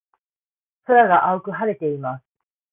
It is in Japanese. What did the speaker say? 空が青く晴れています。